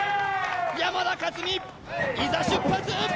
山田勝己いざ出発